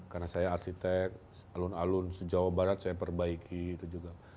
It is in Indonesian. karena saya arsitek alun alun sejauh barat saya perbaiki itu juga